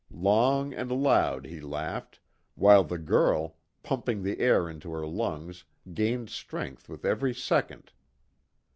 Long and loud, he laughed, while the girl, pumping the air into her lungs, gained strength with every second.